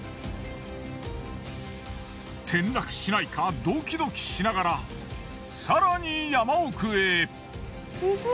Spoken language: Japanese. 転落しないかドキドキしながら更に山奥へ。